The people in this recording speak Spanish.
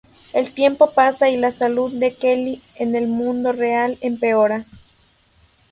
El tiempo pasa y la salud de Kelly en el mundo real empeora.